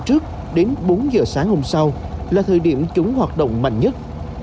trước đến bốn giờ sáng hôm sau là thời điểm chúng hoạt động mạnh nhất